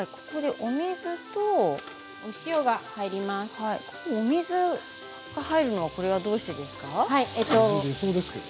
お水が入るのはどうしてですか。